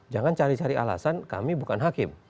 jangan cari cari alasan kami bukan hakim